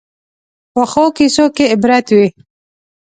پخو کیسو کې عبرت وي